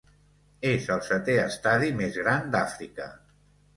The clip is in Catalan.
És el setè estadi més gran d"Àfrica.